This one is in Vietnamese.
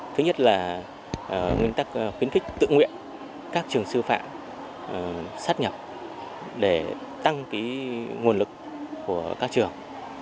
thứ nhất là nguyên tắc khuyến khích tự nguyện các trường sư phạm sát nhập để tăng nguồn lực của các trường